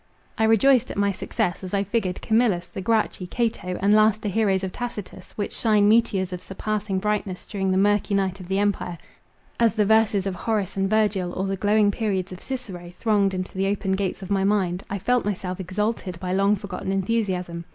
I rejoiced at my success, as I figured Camillus, the Gracchi, Cato, and last the heroes of Tacitus, which shine meteors of surpassing brightness during the murky night of the empire;—as the verses of Horace and Virgil, or the glowing periods of Cicero thronged into the opened gates of my mind, I felt myself exalted by long forgotten enthusiasm.